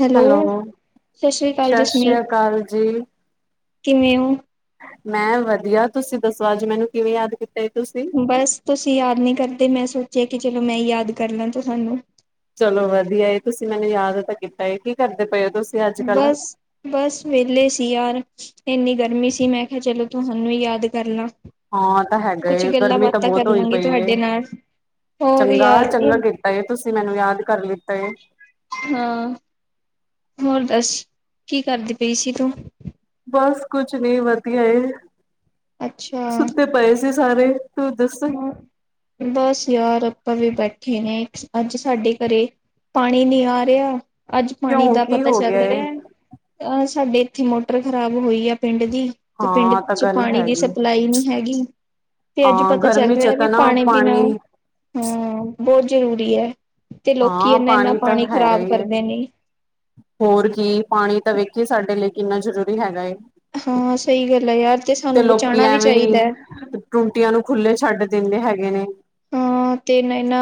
Hello ਸਤਿ ਸ੍ਰੀ ਅਕਾਲ ਸਤਿ ਸ੍ਰੀ ਜਸਮੀਤ ਅਕਾਲ ਜੀ ਕਿਵੇਂ ਹੋ ਮੈਂ ਵਧੀਆ ਤੁਸੀਂ ਦੱਸੋ ਅੱਜ ਮੈਨੂੰ ਕਿਵੇਂ ਯਾਦ ਕੀਤਾ ਏ ਤੁਸੀਂ ਬਸ ਤੁਸੀਂ ਯਾਦ ਨਹੀਂ ਕਰਦੇ ਮੈਂ ਸੋਚਿਆ ਕਿ ਚਲੋ ਮੈਂ ਯਾਦ ਕਰ ਲਾਂ ਤੁਹਾਨੂੰ ਚਲੋ ਵਧੀਆ ਏ ਤੁਸੀਂ ਮੈਨੂੰ ਯਾਦ ਤਾਂ ਕੀਤਾ ਕੀ ਕਰਦੇ ਪਏ ਓ ਬਸ-ਬਸ ਵਿਹਲੇ ਸੀ ਯਾਰ ਇੰਨੀ ਗਰਮੀ ਸੀ ਮੈਂ ਕਿਹਾ ਚਲੋ ਤੁਹਾਨੂੰ ਯਾਦ ਕਰ ਲਾਂ ਹਾਂ ਤਾਂ ਹੈਗਾ ਕੁਛ ਗੱਲਾਂ ਗਰਮੀ ਤਾਂ ਬਾਤਾਂ ਕਰ ਬਹੁਤ ਹੋਈ ਲਾਂਗੀ ਪਈ ਏ ਤੁਹਾਡੇ ਨਾਲ ਹੋਰ ਯਾਰ ਚੰਗਾ-ਚੰਗਾ ਇਹ ਕੀਤਾ ਤੁਸੀਂ ਮੈਨੂੰ ਯਾਦ ਕਰ ਲਿਤਾ ਏ ਹਾਂ ਹੋਰ ਦੱਸ ਕੀ ਕਰਦੀ ਪਈ ਸੀ ਤੂੰ ਬਸ ਕੁਛ ਨ ਵਧੀਆ ਅੱਛਾ ਸੁੱਤੇ ਪਏ ਸੀ ਸਾਰੇ ਤੂੰ ਦੱਸ ਬਸ ਯਾਰ ਆਪਾਂ ਵੀ ਬੈਠੇ ਨੇ ਅੱਜ ਸਾਡੇ ਘਰੇ ਪਾਣੀ ਨੀ ਆ ਰਿਹਾ ਅੱਜ ਪਾਣੀ ਕਿਉਂ ਦਾ ਕੀ ਪਤਾ ਹੋ ਗਿਆ ਚੱਲ ਏ ਰਿਹਾ ਅਹ ਸਾਡੇ ਇੱਥੇ ਮੋਟਰ ਖ਼ਰਾਬ ਹੋਈ ਆ ਪਿੰਡ ਤੇ ਪਿੰਡ ਹਾਂ ਤਾਂ ਚ ਗੱਲ ਪਾਣੀ ਦੀ ਹੈਗੀ ਸਪਲਾਈ ਨੀ ਹੈਗੀ ਤੇ ਅੱਜ ਹਾਂ ਪਤਾ ਚੱਲ ਗਰਮੀ ਚ ਰਿਹਾ ਵੀ ਤਾਂ ਨਾ ਪਾਣੀ ਪੀਣਾ ਹਮ ਬਹੁਤ ਜ਼ਰੂਰੀ ਹੈ ਤੇ ਲੋਕੀ ਹਾਂ ਇੰਨਾ ਇੰਨਾ ਪਾਣੀ ਤਾਂ ਹੈਗਾ ਖ਼ਰਾਬ ਹੀ ਹੈ ਕਰਦੇ ਨੇ ਹੋਰ ਕੀ ਪਾਣੀ ਤਾਂ ਵੇਖੀਏ ਸਾਡੇ ਲਈ ਕਿੰਨਾ ਜ਼ਰੂਰੀ ਹੈਗਾ ਏ ਹਾਂ ਸਹੀ ਗੱਲ ਹੈ ਯਾਰ ਤੇ ਸਾਨੂੰ ਲੋਕੀ ਬਚਾਉਣਾ ਵੀ ਐਵੇਂ ਚਾਹੀਦਾ ਹੈ ਟੁੰਟੀਆਂ ਨੂੰ ਖੁੱਲੇ ਛੱਡ ਦਿੰਦੇ ਹੈਗੇ ਨੇ ਹਾਂ ਤੇ ਮੈਂ ਨਾ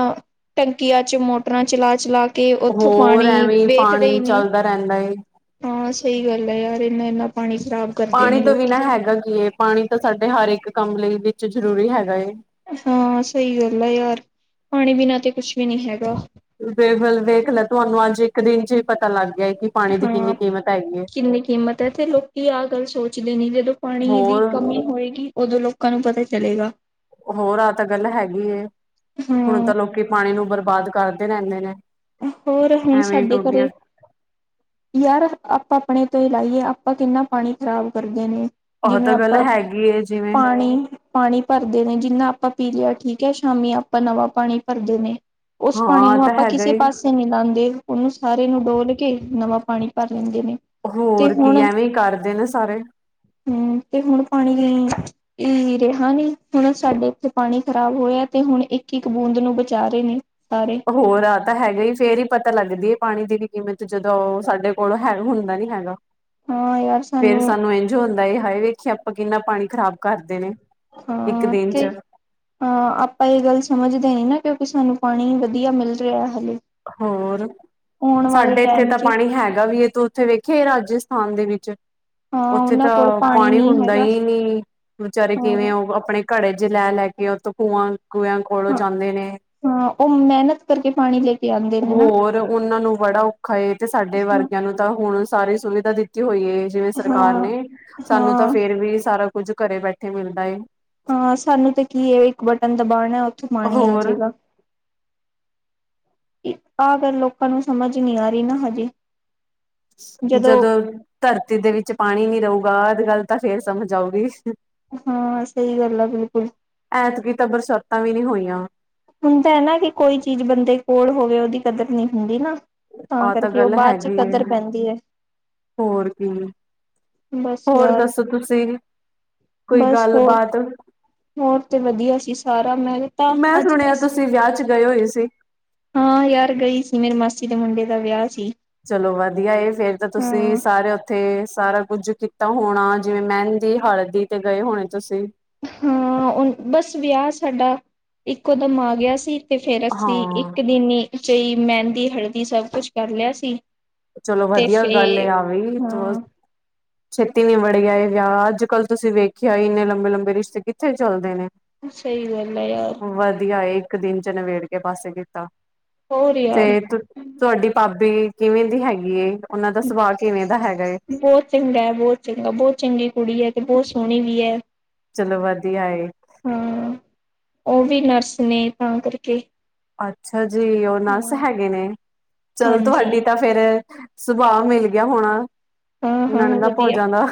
ਟੰਕੀਆਂ ਚ ਮੋਟਰਾਂ ਚਲਾ-ਚਲਾ ਕੇ ਤੇ ਉੱਥੋਂ ਹੋਰ ਪਾਣੀ ਐਵੇਂ ਵੇਖਦੇ ਹੀ ਪਾਣੀ ਨੀ ਚੱਲਦਾ ਰਹਿੰਦਾ ਏ ਹਾਂ ਸਹੀ ਗੱਲ ਹੈ ਯਾਰ ਇੰਨਾ-ਇੰਨਾ ਪਾਣੀ ਖ਼ਰਾਬ ਕਰਦੇ ਨੇ ਪਾਣੀ ਤਾਂ ਲੋਕੀ ਬਿਨਾਂ ਹੈਗਾ ਕੀ ਏ ਪਾਣੀ ਤਾਂ ਸਾਡੇ ਹਰ ਇੱਕ ਕੰਮ ਲਈ ਵਿੱਚ ਜਰੂਰੀ ਹੈਗਾ ਏ ਹਾਂ ਸਹੀ ਗੱਲ ਆ ਯਾਰ ਪਾਣੀ ਬਿਨਾਂ ਤੇ ਕੁਛ ਵੀ ਨਹੀਂ ਹੈਗਾ ਬਲ ਵੇਖ ਹੁਣ ਲੈ ਤੁਹਾਨੂੰ ਅੱਜ ਇੱਕ ਦਿਨ ਚ ਹੀ ਪਤਾ ਲੱਗ ਗਿਆਏ ਕਿ ਪਾਣੀ ਦੀ ਹਾਂ ਕਿੰਨੀ ਕੀਮਤ ਹੈਗੀ ਏ ਕਿੰਨੀ ਕੀਮਤ ਹੈ ਤੇ ਲੋਕੀ ਆਹ ਗੱਲ ਸੋਚਦੇ ਨੇ ਜਦੋਂ ਪਾਣੀ ਦੀ ਹੋਰ ਕਮੀ ਹੋਏਗੀ ਉਦੋਂ ਲੋਕਾਂ ਨੂੰ ਪਤਾ ਚਲੇਗਾ ਹੋਰ ਆਹ ਤਾਂ ਗੱਲ ਹੈਗੀ ਹੁਣ ਹਾਂ ਤਾਂ ਲੋਕੀ ਪਾਣੀ ਨੂੰ ਬਰਬਾਦ ਕਰਦੇ ਰਹਿੰਦੇ ਨੇ ਹੋਰ ਹੁਣ ਐਵੇਂ ਸਾਡੇ ਟੁੰਟੀਆਂ ਘਰੇ ਯਾਰ ਆਪਾਂ ਆਪਣੇ ਤੋਂ ਹੀ ਲਾਈਏ ਆਪਾਂ ਕਿੰਨਾ ਪਾਣੀ ਖ਼ਰਾਬ ਕਰਦੇ ਨੇ ਉਹ ਜਿਵੇਂ ਤਾਂ ਗੱਲ ਆਪਾਂ ਹੈਗੀ ਏ ਜਿਵੇਂ ਪਾਣੀ-ਪਾਣੀ ਭਰਦੇ ਨੇ ਜਿੰਨਾ ਆਪਾਂ ਪੀ ਲਿਆ ਠੀਕ ਹੈ ਸ਼ਾਮੀ ਆਪਾਂ ਨਵਾਂ ਪਾਣੀ ਭਰਦੇ ਨੇ ਉਸ ਪਾਣੀ ਹਾਂ ਨੂੰ ਤਾਂ ਆਪਾਂ ਹੈਗਾ ਕਿਸੇ ਈ ਪਾਸੇ ਨੀ ਲਾਉਂਦੇ ਉਹਨੂੰ ਸਾਰੇ ਨੂੰ ਡੋਲ ਕੇ ਨਵਾਂ ਪਾਣੀ ਭਰ ਲੈਂਦੇ ਨੇ ਹੋਰ ਕੀ ਐਵੇਂ ਕਰਦੇ ਨੇ ਸਾਰੇ ਹਮ ਤੇ ਹੁਣ ਪਾਣੀ ਰਿਹਾ ਨੀ ਹੁਣ ਸਾਡੇ ਇੱਥੇ ਪਾਣੀ ਖ਼ਰਾਬ ਹੋਇਆ ਤੇ ਹੁਣ ਇੱਕ ਇੱਕ ਬੂੰਦ ਨੂੰ ਬਚਾ ਰਹੇ ਨੇ ਸਾਰੇ ਹੋਰ ਆ ਤਾਂ ਹੈਗਾ ਹੀ ਫੇਰ ਹੀ ਪਤਾ ਲੱਗਦੀ ਹੈ ਪਾਣੀ ਦੀ ਵੀ ਕੀਮਤ ਜਦੋਂ ਉਹ ਸਾਡੇ ਕੋਲ ਹੈਗਾ ਹੁੰਦਾ ਨੀ ਹੈਗਾ ਹਾਂ ਯਾਰ ਫੇਰ ਸਾਨੂੰ ਇੰਝ ਹੁੰਦਾ ਹ ਵੇਖੀਏ ਆਪਾਂ ਕਿੰਨਾ ਪਾਣੀ ਖ਼ਰਾਬ ਕਰਦੇ ਨੇ ਇੱਕ ਹਾਂ ਦਿਨ ਤੇ ਚ ਅਹ ਆਪਾਂ ਇਹ ਗੱਲ ਸਮਝਦੇ ਹੀ ਨਾ ਕਿਉਂਕਿ ਸਾਨੂੰ ਪਾਣੀ ਵਧੀਆ ਮਿਲ ਰਿਹਾ ਹਾਲੇ ਹੋਰ ਸਾਡੇ ਇੱਥੇ ਟਾਈਮ ਤਾਂ ਚ ਪਾਣੀ ਹੈਗਾ ਵੀ ਇਹ ਤੂੰ ਉੱਥੇ ਵੇਖੇ ਰਾਜ ਸਥਾਨ ਦੇ ਵਿੱਚ ਹਾਂ ਉੱਥੇ ਉਹਨਾਂ ਤਾਂ ਕੋਲ ਪਾਣੀ ਨੀ ਹੁੰਦਾ ਹੈਗਾ ਹੀ ਨੀ ਵਿਚਾਰੇ ਕਿਵੇਂ ਹਾਂ ਉਹ ਆਪਣੇ ਘੜੇ ਚ ਲੈ ਲੈ ਕੇ ਉਹਥੋਂ ਖੂਆਂ ਗੂਿਆਂ ਕੋਲੋਂ ਜਾਂਦੇ ਨੇ ਹਾਂ ਉਹ ਮਿਹਨਤ ਕਰਕੇ ਪਾਣੀ ਲੈ ਕੇ ਆਉਂਦੇ ਨੇ ਨਾ ਹੋਰ ਉਹਨਾਂ ਨੂੰ ਬੜਾ ਔਖਾ ਏ ਤੇ ਸਾਡੇ ਵਰਗਿਆਂ ਨੂੰ ਤਾਂ ਹੁਣ ਸਾਰੇ ਸੁਵਿਧਾ ਦਿੱਤੀ ਹੋਈ ਐ ਜਿਵੇਂ ਹਾਂ ਸਰਕਾਰ ਨੇ ਸਾਨੂੰ ਤਾਂ ਹਾਂ ਫੇਰ ਵੀ ਸਾਰਾ ਕੁ ਕੁੱਝ ਘਰੇ ਬੈਠੇ ਮਿਲਦਾ ਏ ਹਾਂ, ਸਾਨੂੰ ਤੇ ਕੀ ਐ ਇੱਕ ਬਟਨ ਦਬਾਣਾ। ਉੱਥੋਂ ਪਾਣੀ ਹੋਰ ਆਜੇਗਾ। ਆ ਗੱਲ਼ ਲੋਕਾਂ ਨੂੰ ਸਮਝ ਨੀ ਆ ਰਹੀ ਨਾ ਹਜੇ। ਜਦੋਂ ਧਰਤੀ ਦੇ ਵਿੱਚ ਪਾਣੀ ਨੀ ਰਹੂਗਾ ਆ ਗੱਲ ਤਾਂ ਫੇਰ ਸਮਝ ਆਊਗੀ। ਹਾਂ, ਸਹੀ ਗੱਲ ਆ ਬਿਲਕੁਲ। ਐਤਕੀ ਤਾਂ ਬਰਸਾਤਾਂ ਵੀ ਨੀ ਹੋਈਆਂ। ਹੁੰਦਾ ਐ ਨਾ ਕਿ ਕੋਈ ਚੀਜ਼ ਬੰਦੇ ਕੋਲ ਹੋਵੇ ਉਹਦੀ ਕਦਰ ਨਹੀਂ ਹੁੰਦੀ ਨਾ। ਆਹ ਤਾਂ ਕਰਕੇ ਉਹ ਗੱਲ ਬਾਅਦ ਚ ਹੈਗੀ ਆ ਕਦਰ ਪੈਂਦੀ ਹੈ ਹੋਰ ਕੀ। ਬਸ ਹੋਰ ਯਾਰ ਦੱਸੋ ਤੁਸੀਂ ਕੋਈ ਬਸ ਹੋਰ ਗੱਲਬਾਤ ਹੋਰ ਤੇ ਵਧੀਆ ਸੀ ਸਾਰਾ ਮੈਂ ਤਾਂ ਮੈਂ ਸੁਣਿਆ ਤੁਸੀਂ ਵਿਆਹ ਚ ਗਏ ਹੋਏ ਸੀ ਹਾਂ, ਯਾਰ ਗਈ ਸੀ ਮੇਰੀ ਮਾਸੀ ਦੇ ਮੁੰਡੇ ਦਾ ਵਿਆਹ ਸੀ। ਚਲੋ ਵਧੀਆ ਫੇਰ ਤਾਂ ਤੁਸੀਂ ਹਾਂ ਸਾਰੇ ਉੱਥੇ ਸਾਰਾ ਕੁੱਝ ਕੀਤਾ ਹੋਣਾ ਜਿਵੇਂ ਮਹਿੰਦੀ ਹਲਦੀ ਤੇ ਗਏ ਹੋਣੇ ਤੁਸੀਂ ਹਾਂ ਉਹ ਬਸ ਵਿਆਹ ਸਾਡਾ ਇੱਕੋ ਦਮ ਆ ਗਿਆ ਸੀ। ਤੇ ਫਿਰ ਅਸੀਂ ਹਾਂ ਇੱਕ ਦਿਨ ਵਿੱਚ ਹੀ ਮਹਿੰਦੀ, ਹਲਦੀ ਸਭ ਕੁੱਛ ਕਰ ਲਿਆ ਸੀ। ਚਲੋ ਤੇ ਵਧੀਆ ਗੱਲ ਏ ਫਿਰ ਆ ਵੀ ਹਾਂ, ਛੇਤੀ ਨੀ [unintelligible] ਇਹ ਵਿਆਹ ਅੱਜ ਕੱਲ੍ਹ ਤੁਸੀਂ ਵੇਖਿਆ ਇੰਨੇ ਲੰਬੇ ਲੰਬੇ ਰਿਸ਼ਤੇ ਕਿੱਥੇ ਚੱਲਦੇ ਨੇ। ਸਈ ਗੱਲ ਐ ਯਾਰ ਵਧੀਆ ਏ ਇੱਕ ਦਿਨ ਚ ਨਿਵੇੜ ਕੇ ਪਾਸੇ ਕੀਤਾ ਹੋਰ ਤੇ ਯਾਰ ਤੁਹਾਡੀ ਭਾਬੀ ਕਿਵੇਂ ਦੀ ਹੈਗੀ ਏ ਉਹਨਾਂ ਦਾ ਸੁਭਾਅ ਕਿਵੇਂ ਦਾ ਹੈਗਾ ਏ ਬਹੁਤ ਚੰਗਾ ਹੈ ਬਹੁਤ ਚੰਗਾ ਬਹੁਤ ਚੰਗੀ ਕੁੜੀ ਐ ਤੇ ਬਹੁਤ ਸੋਹਣੀ ਵੀ ਐ। ਚਲੋ ਵਧੀਆ ਏ। ਹਾਂ, ਉਹ ਵੀ ਨਰਸ ਨੇ ਤਾਂ ਕਰਕੇ ਅੱਛਾ ਜੀ, ਉਹ ਨਰਸ ਹਾਂ ਹੈਗੇ ਨੇ ਚੱਲ ਹਾਂਜੀ ਤੁਹਾਡੀ ਤਾਂ ਫਿਰ, ਸੁਭਾਅ ਮਿਲ ਗਿਆ ਹੋਣਾ। ਹਾਂ ਹਾਂ ਨੜਦਾ ਭੁੱਲ ਵਧੀਆ ਜਾਂਦਾ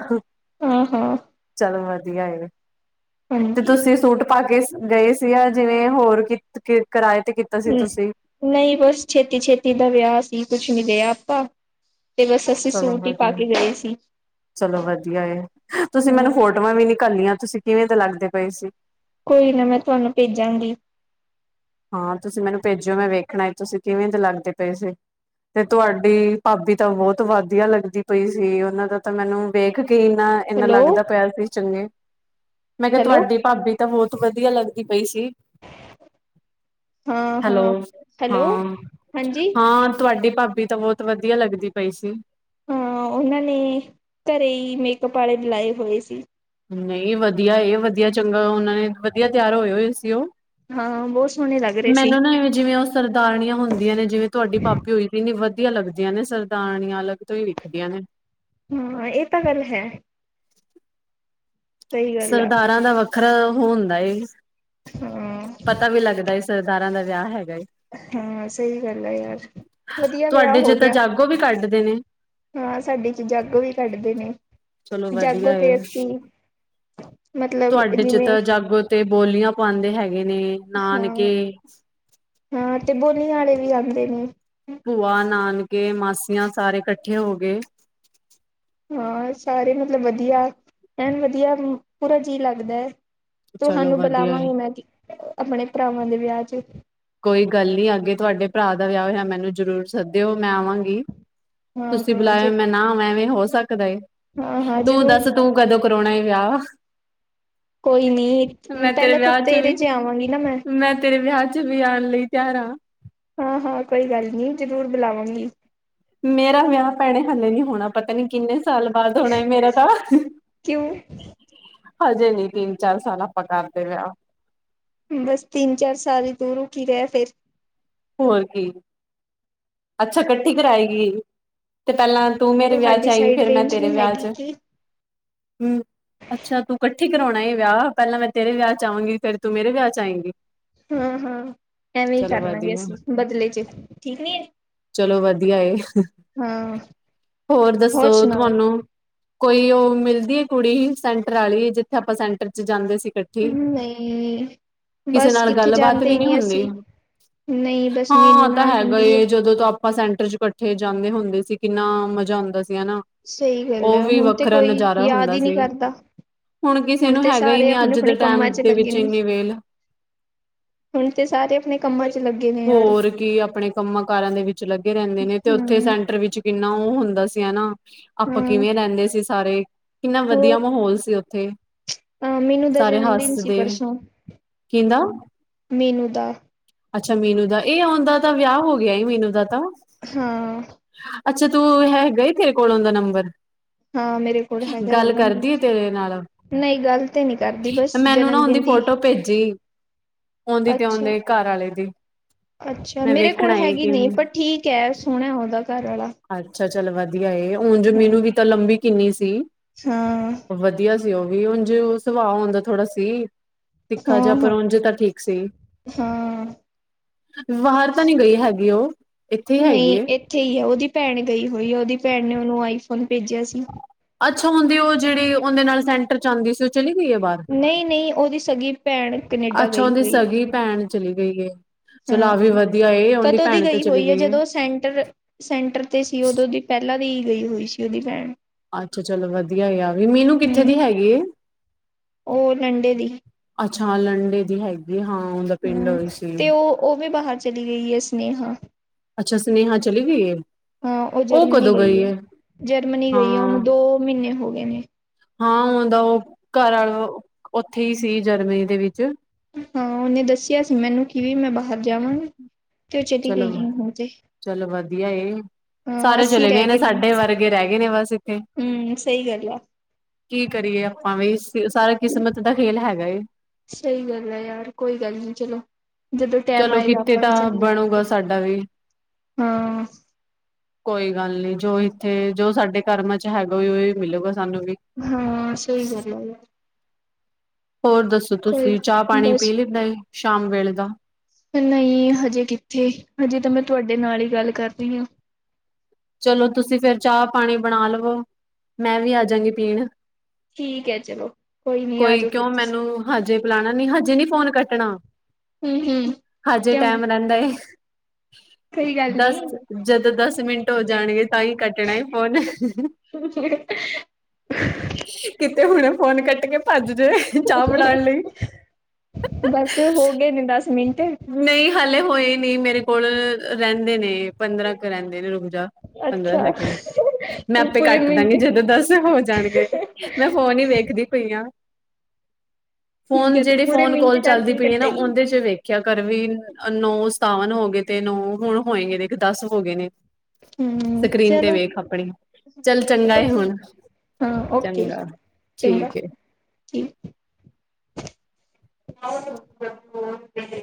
ਹਾਂ ਹਾਂ ਚੱਲ ਵਧੀਆ। ਵਧੀਆ ਐ ਤੇ ਹਾਂਜੀ ਤੁਸੀਂ ਸੂਟ ਪਾ ਕੇ ਗਏ ਸੀ ਆ ਜਿਵੇਂ ਹੋਰ ਕਿ ਕਿਰਾਏ ਤੇ ਕੀਤਾ ਸੀ ਹੂੰ, ਤੁਸੀਂ? ਨਹੀਂ ਬਸ ਛੇਤੀ ਛੇਤੀ ਦਾ ਵਿਆਹ ਸੀ ਕੁਛ ਨੀ ਦਿਆ ਆਪਾਂ। ਤੇ ਬਸ ਅਸੀਂ ਚਲੋ ਸੂਟ ਹੀ ਪਾ ਵਧੀਆ ਕੇ ਗਏ ਸੀ ਚਲੋ ਵਧੀਆ ਏ ਤੁਸੀਂ ਮੈਨੂੰ ਹਾਂ ਫੋਟੋਆਂ ਵੀ ਨੀ ਕੱਲੀਆਂ ਤੁਸੀਂ ਕਿਵੇਂ ਦੇ ਲੱਗਦੇ ਪਏ ਸੀ। ਕੋਈ ਨਾ ਮੈਂ ਤੁਹਾਨੂੰ ਭੇਜਾਂਗੀ। ਹਾਂ, ਤੁਸੀਂ ਮੈਨੂੰ ਭੇਜਿਓ ਮੈਂ ਵੇਖਣਾ ਤੁਸੀਂ ਕਿਵੇਂ ਦੇ ਲੱਗਦੇ ਪਏ ਸੀ। ਤੇ ਤੁਹਾਡੀ ਭਾਬੀ ਤਾਂ ਬਹੁਤ ਵਧੀਆ ਲੱਗਦੀ ਪਈ ਸੀ ਉਹਨਾਂ ਦਾ ਤਾਂ ਮੈਨੂੰ ਵੇਖ ਕੇ, ਕਿ ਇੰਨਾ ਇੰਨਾ ਹੈਲੋ ਲੱਗਦਾ ਪਿਆ ਸੀ ਚੰਗੇ ਮੈਂ ਕਿਹਾ ਹੈਲੋ ਤੁਹਾਡੀ ਭਾਬੀ ਤਾਂ ਬਹੁਤ ਵਧੀਆ ਲੱਗਦੀ ਪਈ ਸੀ। ਹਾਂ ਹੈਲੋ, ਹਾਂ ਹੈਲੋ ਹਾਂ ਹਾਂਜੀ ਹਾਂ ਤੁਹਾਡੀ ਭਾਬੀ ਤਾਂ ਬਹੁਤ ਵਧੀਆ ਲੱਗਦੀ ਪਈ ਸੀ। ਹਾਂ, ਉਹਨਾਂ ਨੇ ਘਰੇ ਹੀ ਮੇਕਅਪ ਵਾਲੇ ਬੁਲਾਏ ਹੋਏ ਸੀ। ਨਹੀਂ ਵਧੀਆ ਇਹ ਵਧੀਆ ਚੰਗਾ ਉਹਨਾਂ ਨੇ ਵਧੀਆ ਤਿਆਰ ਹੋਏ ਹੋਏ ਸੀ ਓ, ਹਾਂ ਬਹੁਤ ਸੋਹਣੇ ਲੱਗ ਰਹੇ ਸੀ ਮੈਨੂੰ ਨਾ ਇਵੇਂ ਜਿਵੇਂ ਉਹ ਸਰਦਾਰਣੀਆਂ ਹੁੰਦੀਆਂ ਨੇ, ਜਿਵੇਂ ਤੁਹਾਡੀ ਭਾਬੀ ਹੋਈ ਸੀ ਏਨੀ ਵਧੀਆ ਵਧੀਆ ਲੱਗਦੀਆਂ ਨੇ ਸਰਦਾਣੀਆਂ, ਅਲੱਗ ਤੋਂ ਹੀ ਵਿਖਦੀਆਂ ਨੇ। ਹੂੰ, ਇਹ ਤਾਂ ਗੱਲ ਹੈ। ਸਹੀ ਗੱਲ ਆ ਸਰਦਾਰਾਂ ਦਾ ਵੱਖਰਾ ਉਹ ਹੁੰਦਾ ਏ, ਹਾਂ ਪਤਾ ਵੀ ਲੱਗਦਾ ਏ ਸਰਦਾਰਾਂ ਦਾ ਵਿਆਹ ਹੈ ਗਾ ਹਾਂ ਸਹੀ ਗੱਲ ਆ ਯਾਰ ਵਧੀਆ ਵਿਆਹ ਤੁਹਾਡੇ ਜੇ ਹੋ ਤਾਂ ਗਿਆ ਜਾਗੋ ਵੀ ਕੱਢ ਹਾਂ, ਸਾਡੇ ਚ ਜਾਗੋ ਵੀ ਕੱਢਦੇ ਨੇ, ਚਲੋ ਜਾਗੋ ਵਧੀਆ ਏ ਤੇ ਅਸੀਂ ਮਤਲਬ ਤੁਹਾਡੇ ਚ ਜਿਵੇਂ ਤਾਂ ਜਾਗੋ ਤੇ ਬੋਲੀਆਂ ਪਾਉਂਦੇ ਹੈਗੇ ਹੇਗੇ ਨੇ, ਹਾਂ ਨਾਨਕੇ ਹਾਂ ਤੇ ਬੋਲੀਆਂ ਵਾਲੇ ਵੀ ਆਉਂਦੇ ਨੇ ਭੂਆ, ਨਾਨਕੇ, ਮਾਸੀਆਂ, ਸਾਰੇ ਇਕੱਠੇ ਹੋ ਗਏ ਹਾਂ ਸਾਰੇ ਮਤਲਬ ਵਧੀਆ ਐ ਵਧੀਆ ਪੂਰਾ ਜੀਅ ਲੱਗਦਾ ਏ। ਚਲੋ ਤੁਹਾਨੂੰ ਵਧੀਆ ਏ ਬੁਲਾਵਾਂਗੇ ਮੈਂ ਅਪਣੇ ਭਰਾਵਾਂ ਦੇ ਵਿਆਹ ਚ। ਕੋਈ ਗੱਲ ਨਹੀਂ, ਅੱਗੇ ਤੁਹਾਡੇ ਭਰਾ ਦਾ ਵਿਆਹ ਹੋਇਆ ਮੈਨੂੰ ਜ਼ਰੂਰ ਸੱਦੇਓ, ਮੈਂ ਆਵਾਂਗੀ। ਹਾਂ ਤੁਸੀਂ ਹਾਂ ਬੁਲਾਯਾ ਜੇ ਮੈਂ ਨਾ ਆਵਾਂ, ਏਵੇਂ ਹੋ ਸਕਦਾ ਏ। ਹਾਂ-ਹਾਂ ਤੂੰ ਜ਼ਰੂਰ ਦੱਸ ਤੂੰ ਜਾਵਾਂ ਕਦੋਂ ਕਰਾਉਣਾ ਏ ਵਿਆਹ ਕੋਈ ਨੀ ਮੈਂ ਤੇਰੇ ਪਹਿਲਾਂ ਤਾਂ ਵਿਆਹ ਚ ਤੇਰੇ ਵੀ ਆਵਾਂਗੀ ਨਾ ਮੈਂ ਤੇਰੇ ਵਿਆਹ ਚ ਜਾਣ ਲਈ ਤਿਆਰ ਆ ਹਾਂ ਹਾਂ ਕੋਈ ਗੱਲ ਨੀ, ਜਰੂਰ ਬੁਲਾਵਾਂਗੀ। ਮੇਰਾ ਵਿਆਹ ਭੈਣੇ ਹਾਲੇ ਨੀ ਹੋਣਾ ਪਤਾ ਨੀ ਕਿੰਨੇ ਸਾ ਸਾਲ ਬਾਅਦ ਹੋਣਾ, ਮੇਰਾ ਤਾਂ ਕਿਉਂ ਹਜੇ ਨਹੀਂ ਤਿੰਨ, ਚਾਰ ਸਾਲ ਆਪਾਂ ਕਰਦੇ ਵਿਆਹ। ਬਸ ਤਿੰਨ, ਚਾਰ ਸਾਲ ਹੀ ਦੂਰ, ਰੁਕੀ ਰਹ ਫੇਰ ਹੋਰ ਕੀ। ਅੱਛਾ ਇਕੱਠੀ ਕਰਏ ਗੀ ਕੇ ਪਹਿਲਾਂ? ਤੂੰ ਮੇਰੇ ਵਿਆਹ ਚ ਤੁਹਾਡੇ ਆਈ ਸਾਈਡ ਫੇਰ ਮੈਂ ਰੇਂਜ ਤੇਰੇ ਨਹੀਂ ਵਿਆਹ ਹੈਗੀ ਚ ਕੀ ਹੂੰ ਅੱਛਾ, ਤੂੰ ਇਕੱਠੀ ਕਰਾਉਣਾ ਵਿਆਹ, ਪਹਿਲਾਂ ਮੈਂ ਤੇਰੇ ਵਿਆਹ ਚ ਆਵਾਂਗੀ ਫੇਰ ਤੂੰ ਮੇਰੇ ਵਿਆਹ ਚ ਆਏਂਗੀ। ਹਾਂ ਹਾਂ ਐਵੇਂ ਹੀ ਕਰਲਾ ਗੇ ਵਧੀਆ, ਅਸੀ, ਬਦਲੇ ਚ ਠੀਕ ਨੀ ਏ। ਚਲੋ ਵਧੀਆ ਏ। ਹੋਰ ਦੱਸੋ? ਤੁਹਾਨੂੰ ਕੋਈ ਉਹ ਮਿਲ ਦੇਖੀ ਕੁੜੀ ਸੈਂਟਰ ਵਾਲੀ, ਜਿੱਥੇ ਆਪਾਂ ਸੈਂਟਰ ਚ ਜਾਂਦੇ ਸੀ। ਇਕੱਠੇ ਹੋ, ਨਹੀਂ ਕਿਸੇ ਬਸ ਨਾਲ ਕਿੱਥੇ ਗੱਲਬਾਤ ਜਾਂਦੇ ਵੀ ਹੀ ਨੀ ਹੁੰਦੀ। ਅਸੀਂ ਨਹੀਂ ਬਸ ਹਾਂ ਔ ਮੈਨੂੰ ਤਾਂ ਨਾਲ ਹੈ ਹੁੰਦੀ ਬਈ, ਜਦੋਂ ਜਦੋਂ ਆਪਾਂ ਸੈਂਟਰ ਚ ਇਕੱਠੇ ਜਾਂਦੇ ਹੁੰਦੇ ਸੀ ਕਿੰਨਾ ਮਜ਼ਾ ਆਉਂਦਾ ਸੀ। ਹੇਨਾ, ਸਹੀ ਗੱਲ ਉਹ ਹੈ ਵੀ ਹੁਣ ਤੇ ਵੱਖਰਾ ਕੋਈ ਨਜ਼ਾਰਾ ਯਾਦ ਹੁੰਦਾ ਹੀ ਨਹੀਂ ਸੀ। ਕਰਦਾ ਹੁਣ ਕਿਸੇ ਨੂੰ ਤੇ ਹੈਗਾ ਹੀ ਸਾਰੇ ਨਹੀਂ ਅੱਜ ਦੇ ਆਪਣੇ-ਆਪਣੇ ਟਾਈਮ ਕੰਮਾਂ ਚ ਦੇ ਲੱਗੇ ਵਿੱਚ ਨੇ ਇੰਨੀ ਵੇਲ ਹੁਣ ਤੇ ਸਾਰੇ ਆਪਣੇ ਕੰਮਾਂ ਚ ਲੱਗੇ ਨੇ ਯਾਰ। ਹੋਰ ਕੀ ਅਪਣੇ ਕੰਮਾਂ-ਕਾਜ ਕਾਰਾਂ ਵਿੱਚ ਲੱਗੇ ਰਹਿੰਦੇ ਨੇ ਤੇ, ਉੱਥੇ ਹੂੰ, ਸੈਂਟਰ ਵਿੱਚ ਕਿੰਨਾ ਉਹ ਹੁੰਦਾ ਸੀ ਹੈਨਾ। ਆਪਾਂ ਹਾਂ ਕਿਵੇਂ ਰਹਿੰਦੇ ਸੀ ਸਾਰੇ, ਕਿੰਨਾ ਵਧੀਆ ਮਾਹੌਲ ਸੀ ਉੱਥੇ। ਹਾਂ ਮੀਨੂ ਦਾ ਸਾਰੇ ਜਨਮਦਿਨ ਸੀ ਹੱਸਦੇ ਪਰਸੋਂ, ਕਹਿੰਦਾ ਮੀਨੂ ਦਾ। ਅੱਛਾ ਮੀਨੂ ਦਾ। ਇਹ ਔਂਦਾ ਤਾਂ ਵਿਆਹ ਹੋ ਗਿਆ ਹੈ, ਮੀਨੂ ਦਾ ਤਾਂ। ਹਾਂ ਅੱਛਾ ਤੂੰ ਹੈਗਾ ਈ ਤੇਰੇ ਕੋਲ ਉਹਦਾ ਨੰਬਰ। ਹਾਂ ਮੇਰੇ ਕੋਲ ਹੈਗਾ ਗੱਲ ਉਹਦਾ ਕਰਦੀ ਨੰਬਰ। ਏ ਤੇਰੇ ਨਾਲ। ਨਹੀਂ ਗੱਲ ਤੇ ਨੀ ਕਰਦੀ ਬਸ ਮੈਨੂੰ ਨਾ ਜਨਮ ਉਹਦੀ ਦਿਨ ਦੀ ਫੋਟੋ ਭੇਜੀ। ਆਉਂਦੀ ਤੇ ਅੱਛਾ। ਆਉਂਦੇ ਘਰ ਆਲੇ ਦੀ ਮੈਂ ਵੇਖਣਾ ਕੀ ਨਹੀਂ ਕਿਵੇਂ ਪਰ ਠੀਕ ਹੈ ਸੋਹਣਾ ਉਹਦਾ ਘਰ ਆਾ ਅੱਛਾ ਚੱਲ ਵਧੀਆ ਏ ਹੁਣ ਜੋ ਮੈਨੂੰ ਵੀ ਤਾਂ ਲੰਬੀ ਕਿੰਨੀ ਸੀ ਹਾਂ, ਵਧੀਆ ਪਿਓ ਉਹ ਵੀ ਉਝ ਸੁਭਾਅ ਆਉਂਦਾ ਥੋੜ੍ਹਾ ਸੀ ਦਿਖਾ ਜਾ ਪਰ ਹਾਂ, ਉਝ ਤਾਂ ਠੀਕ ਸੀ ਹਾਂ। ਬਾਹਰ ਤਾਂ ਨਹੀਂੀ ਗਈ ਹੈਗੀ ਉਹ ਇੱਥੇ ਹੈਗੀ ਨਹੀਂ ਏ ਇੱਥੇ ਹੀ ਹੈ ਉਹਦੀ ਭੈਣ ਗਈ ਹੋਈ ਆ ਉਹਦੀ ਭੈਣ ਨੇ ਉਹਨੂੰ ਆਈਫੋਨ ਭੇਜਿਆ ਸੀ ਅੱਛਾ ਹੁੰਦੀ ਉਹ ਜਿਹੜੀ ਉਹਦੇ ਨਾਲ ਸੈਂਟਰ ਚ ਆਉਂਦੀ ਸੀ ਚਲੀ ਗਈ ਹੈ ਬਾਹਰ ਨਹੀਂ, ਨਹੀਂ ਉਹਦੀ ਸਗੀ ਭੈਣ ਕਨੇਡਾ ਅੱਛਾ ਗਈ ਉਹਦੀ ਹੋਈ ਹੈ ਸਗੀ ਭੈਣ ਚਲੀਈ ਗਏ ਹਾਂ ਕਦੋਂ ਦੀ ਗਈ ਚਲੀ ਹੋਈ ਹੈ ਏ। ਜਦੋਂ ਸੈਂਟਰ ਸੈਂਟਰ ਤੇ ਸੀ ਉਦੋਂ ਦੀ ਪਹਿਲਾਂ ਦੀ ਗਈ ਹੋਈ ਸੀ ਉਹਦੀ ਭੈਣ ਅੱਛਾ ਚਲੋ ਵਧੀਆ ਗਿਆ ਵੀ ਮੀਨੂੰ ਕਿੱਥੇ ਹਮ ਦੀ ਹੈਗੀ ਹੈ ਉਹ ਲੰਡੇ ਦੀ ਅੱਛਾ ਲੰਡੇ ਦੀ ਹੈ ਹਮ ਤੇ ਉਹ ਉਹ ਵੀ ਬਾਹਰ ਚਲੀ ਗਈ ਹੈ ਸੁਨੇਹਾ ਅੱਛਾ ਸੁਨੇਹਾ ਚਲੀ ਗਈ ਹੈ ਹਾਂ ਉਹ ਜਰਮਨੀ ਗਈ ਹੈ ਜਰਮਨੀ ਗਈ ਹੈ ਹਾਂ। ਉਹਨੂੰ ਦੋ ਮਹੀਨੇ ਹੋ ਗਏ ਨੇ ਹਾਂ ਉਹ ਦਾ ਉਹ ਘਰ ਆਾ ਉੱਥੇ ਹੀ ਸੀ ਜਰਮਨੀ ਦੇ ਵਿੱਚ ਹਾਂ ਉਹਹਨੇ ਦੱਸਿਆ ਸੀ ਮੈਨੂੰ ਕਿਵੇ ਮੈਂ ਬਾਹਰ ਜਾਵਾਂਗੀ ਤੇ ਉਹ ਚਲੀ ਚਲੋ ਗਈ ਹੈ ਹੁਣ ਤੇ ਚਲੋ ਵਧੀਆ ਹਾਂ ਸਾਰੇ ਅੱਸੀ ਚਲੇ ਗਏ ਰਹਿ ਨੇ ਸਾਡੇ ਵਰਗੇ ਰਹਿ ਗਏ ਨੇ ਬਸ ਇੱਥੇ ਹਮ ਸਹੀ ਗੱਲ ਆ ਕੀ ਕਰੀਏ ਆਪਾਂ ਵੀ ਸਾਰਾ ਕਿਸਮਤ ਦਾ ਖੇਲ ਹੈਗਾ ਸਹੀ ਗੱਲ ਹੈ ਯਾਰ ਕੋਈ ਗੱਲ ਨੀ ਚਲੋ ਜਦੋਂ ਟੈਮ ਚਲੋ ਆਏਗਾ ਕਿਤੇ ਆਪਾਂ ਵੀ ਤਾਂ ਚਲੀ ਜਾਵਗੇ ਬਣੂਗਾ ਸਾਡਾ ਵੀ ਹਾਂ ਕੋਈ ਗੱਲ ਨੀ ਜੋ ਇੱਥੇ ਜੋ ਸਾਡੇ ਕਰਮਾਂ ਚ ਹੈਗਾ ਉਹਹੀ ਮਿਲਲੇਗਾ ਹਾਂ ਸਹੀ ਗੱਲ ਆ ਯਾਰ ਹੋਰ ਦੱਸੋ ਕੋਈ ਤੁਸੀਂ ਚਾਹ ਪਾਣੀ ਪੀ ਬਸ ਲੈਂਦਾ ਸ਼ਾਮ ਵੇਲੇ ਦਾ ਨਹੀਂ ਹਜੇ ਕਿੱਥੇ ਹਜੇ ਤਾਂ ਮੈਂ ਤੁਹਾਡੇ ਨਾਲ ਹੀ ਗੱਲ ਕਰ ਰਹੀ ਹਾਂ ਚਲੋ ਤੁਸੀਂ ਫੇਿਰ ਚਾਹ ਪਾਣੀ ਬਣਾ ਲਵੋ ਮੈਂ ਵੀ ਆਜਗੀ ਪੀਣ ਠੀਕ ਹੈ ਚਲੋ ਨੀ ਆ ਕੋਈ ਜਾਓ ਫਿਰ ਕਿਉਂ ਤੁਸੀਂ ਮੈਨੂੰ ਹਜੇ ਬੁਲਾਣਾ ਨੀ ਹਜੇ ਨੀ ਫੋਨ ਕੱਟਣਾ ਹੂੰ ਹੂੰ ਹਜੇ ਕਿਉਂ ਟੈਮ ਰਹਿੰਦਾ ਕੋਈ ਗੱਲ ਨੀ ਦਸ ਜਦੋਂ ਦਸ ਮਿੰਟ ਹੋ ਜਾਣਗੇ ਤਾਂ ਹੀ ਕੱਟਣਾ ਹੀ ਪੌਣ ਹੁਣ ਫੋਨ ਕ ਕੇ ਭੱਜਦੇ ਚਾਹ ਬਣਾਉਣ ਲਈ ਬਸ ਹੋ ਗਏ ਨੇ ਦਸ ਮਿੰਟ ਨਹੀਂ ਹਾਲੇ ਹੋਏ ਨਹੀਂ ਮੇਰੇ ਕੋਲ ਰਹਿੰਦੇ ਨੇ ਪੰਦਰਾਂ ਕੁ ਰਹਿੰਦੇ ਨੇ ਰੁਮਝਾ ਪੰਦਰਾਂ ਅੱਛਾ ਸੈਕਿੰਡ ਮੈਂ ਤੂੰ ਆਪੇ ਪੂਰੇ ਕੱਟ ਮਿੰਟ ਦਾਂਗੀ ਜਦੋਂ ਦਸ ਹੋ ਜਾਣਗੇ ਮੈਂ ਫੋਨ ਹੀ ਵੇਖਦੀ ਪਈ ਹ ਠੀਕ ਫੋਨ ਹੈ ਤੂੰ ਜਿਹੜੀ ਪੂਰੇ ਫੋਨ ਮਿੰਟ ਕਾਲ ਚੱਲਦੀ ਕਰਕੇ ਪਈ ਹੈ ਨਾ ਕੱਟੇਗੀ ਉਹਦੇ ਚ ਵੇਖ ਘਰ ਵੀ ਨੌ ਸਤਾਵਨ ਹੋ ਗਏ ਤੇ ਨੌ ਹੁਣ ਹੋਏਗੇ ਨੇ ਦਸ ਹੋ ਗਏ ਨੇ ਹੂੰ ਸਕਰੀਨ ਤੇ ਚਲੋ ਵੇਖ ਆਪਣੀ ਚੱਲ ਚੰਗਾ ਚਲੋ ਹੁਣ ਠੀਕ ਹੈ ਹਾਂ ਓਕੇ ਚੰਗਾ ਚੰਗਾ ਠੀਕ ਹੈ ਠੀਕ [unintelligible]